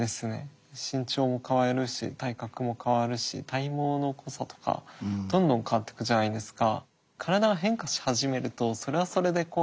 身長も変わるし体格も変わるし体毛の濃さとかどんどん変わっていくじゃないですか。